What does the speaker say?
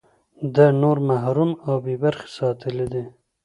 ده نور محروم او بې برخې ساتلي دي.